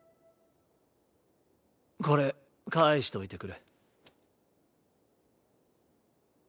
これ返しといてくれ。